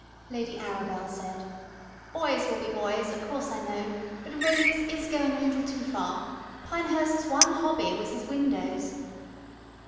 Lady Arabel said: "Boys will be boys, of course I know, but really this is going a little too far. Pinehurst's one hobby was his windows."